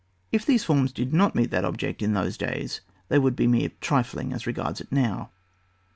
If these forms did not meet that ob ject in those days, they would be mere trifling as regards it now.